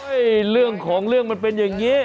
เรื่องของเรื่องมันเป็นอย่างนี้